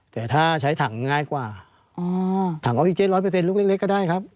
แต่ถ้าใช้ถังง่ายกว่าถังออกที่๗๐๐ลูกเล็กก็ได้ครับ